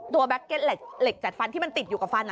แบ็คเก็ตเหล็กจัดฟันที่มันติดอยู่กับฟัน